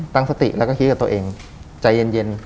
ตั้งสติแล้วก็คิดกับตัวเองใจเย็น